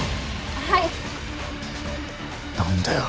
はい何だよ